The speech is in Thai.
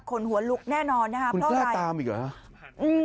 ขนหัวลุกแน่นอนนะฮะเพราะอะไรคุณแกล้ตามอีกหรออืม